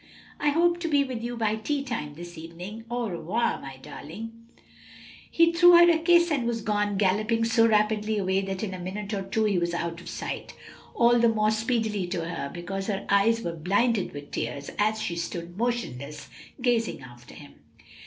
"I hope to be with you by tea time, this evening. Au revoir, darling." He threw her a kiss and was gone, galloping so rapidly away that in a minute or two he was out of sight; all the more speedily to her because her eyes were blinded with tears as she stood motionless, gazing after him.